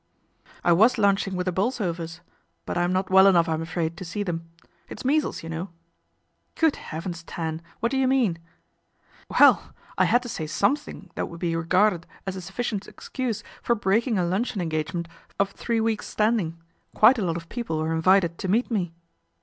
" I was lunching with the Bolsovers ; but I'm not well enough, I'm afraid, to see them. It's measles, you know." " Good heavens, Tan ! what do you mean ?"' Well, I had to say something that would be regarded as a sufficient excuse for breaking a uncheon engagement of three weeks' standing. Juite a lot of people were invited to meet me."